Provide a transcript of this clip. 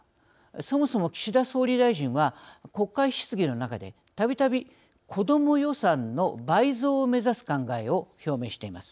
そもそも、岸田総理大臣は国会質疑の中で、たびたび子ども予算の倍増を目指す考えを表明しています。